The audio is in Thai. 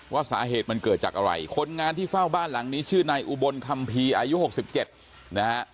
ว่าสาเหตุมันเกิดจากอะไรคนงานที่เฝ้าบ้านหลังนี้ชื่อนายอุบลคัมภีร์อายุ๖๗นะฮะ